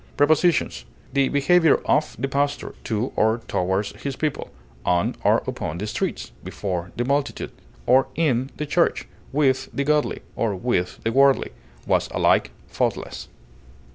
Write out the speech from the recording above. Prepositions: The behavior of the pastor to or toward his people, on or upon the streets, before the multitude, or in the church, with the godly, or with the worldly, was alike faultless.